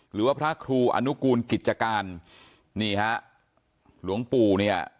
หรือว่าพระครูอนุกูลกิจการนี่ฮะหลวงปู่เนี่ย